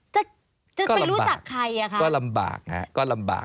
จะไปรู้จักใครอะคะก็ลำบาก